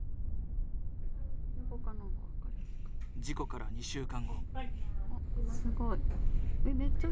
事故から２週間後。